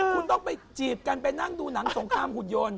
คุณต้องไปจีบกันไปนั่งดูหนังสงครามหุ่นยนต์